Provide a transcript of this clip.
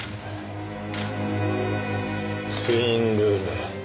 ツインルーム。